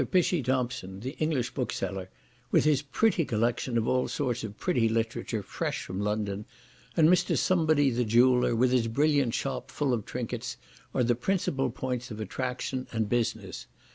Pishey Thompson, the English bookseller, with his pretty collection of all sorts of pretty literature, fresh from London, and Mr. Somebody, the jeweller, with his brilliant shop full of trinkets, are the principal points of attraction and business.